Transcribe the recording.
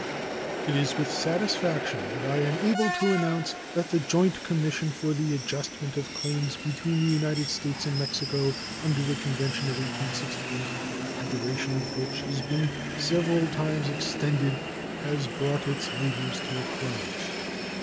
It is with satisfaction that I am able to announce that the joint commission for the adjustment of claims between the United States and Mexico under the convention of 1868, the duration of which has been several times extended, has brought its labors to a close.